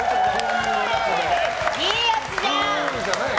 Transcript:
いいやつじゃん！